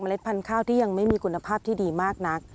พันธุ์ข้าวที่ยังไม่มีคุณภาพที่ดีมากนัก